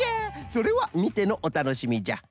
それはみてのおたのしみじゃ。